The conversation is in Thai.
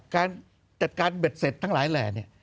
การจัดการเบ็ดเสร็จทั้งหลายแหล่เนี่ย